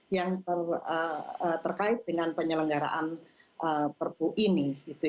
yang terkait dengan penyelenggaraan perpu ini